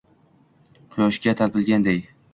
Quyoshga talpinganday